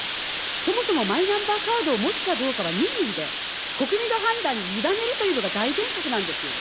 そもそもマイナンバーカードを持つかどうかは任意で、国民の判断に委ねるというのが大原則なんですよ。